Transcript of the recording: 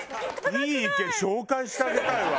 いい池紹介してあげたいわ。